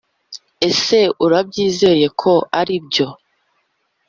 ese urabyizeye ko aribyo?